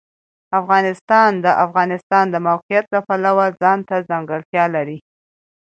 افغانستان د د افغانستان د موقعیت د پلوه ځانته ځانګړتیا لري.